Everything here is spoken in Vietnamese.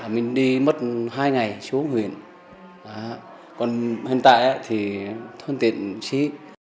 mình đi mất hai ngày xuống huyện còn hiện tại thì hơn tiện xí